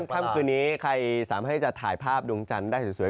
ค่ำคืนนี้ใครสามารถให้จะถ่ายภาพดวงจันทร์ได้สวย